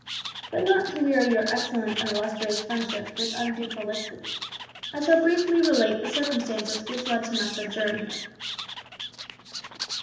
But not to weary your excellent and illustrious friendship with undue prolixity, I shall briefly relate the circumstances which led to my sojourn here."